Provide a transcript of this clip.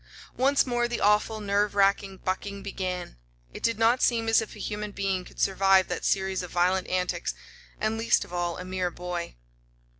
Once more the awful, nerve racking bucking began. It did not seem as if a human being could survive that series of violent antics, and least of all a mere boy.